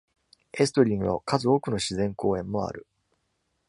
エストリーには数多くの自然公園もある。